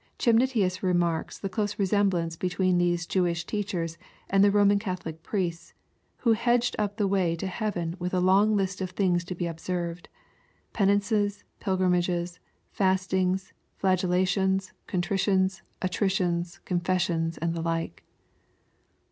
Chemnitius remarks the close resemblance between these Jewish teachers and the Roman Catholic priests, who hedged up the way to heaven with a long list of things to be observed, — ^penances, pilgrimages, fastings, flagellations, contritions, attritions, confes sions, and the like.